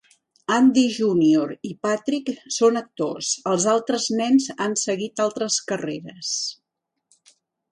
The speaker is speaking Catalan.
Andy Junior i Patrick són actors; els altres nens han seguit altres carreres.